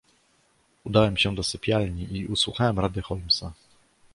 "Udałem się do sypialni i usłuchałem rady Holmesa."